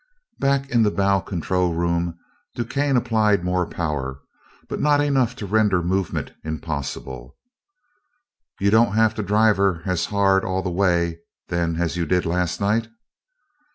Back in the bow control room DuQuesne applied more power, but not enough to render movement impossible. "You don't have to drive her as hard all the way, then, as you did last night?"